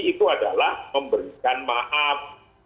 itu adalah memberikan maaf